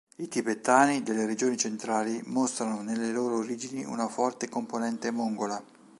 I tibetani delle regioni centrali mostrano nelle loro origini una forte componente mongola.